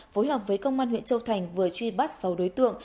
phối hợp với công an huyện châu thành vừa truy bắt sáu đối tượng